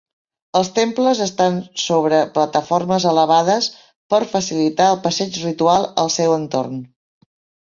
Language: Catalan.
Els temples estan sobre plataformes elevades per facilitar el passeig ritual al seu entorn.